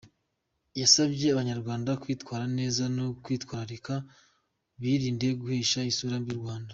Yanasabye Abanyarwanda kwitwara neza no kwitwararika birinda guhesha isura mbi u Rwanda.